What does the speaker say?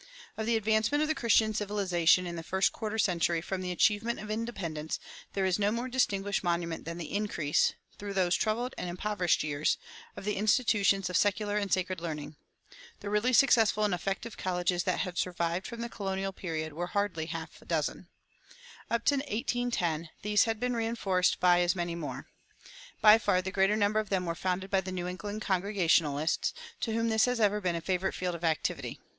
Of the advancement of Christian civilization in the first quarter century from the achievement of independence there is no more distinguished monument than the increase, through those troubled and impoverished years, of the institutions of secular and sacred learning. The really successful and effective colleges that had survived from the colonial period were hardly a half dozen. Up to 1810 these had been reinforced by as many more. By far the greater number of them were founded by the New England Congregationalists, to whom this has ever been a favorite field of activity.